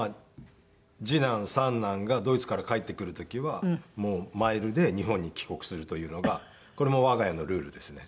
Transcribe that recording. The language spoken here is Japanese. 次男三男がドイツから帰ってくる時はマイルで日本に帰国するというのがこれも我が家のルールですね。